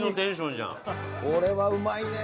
これはうまいね。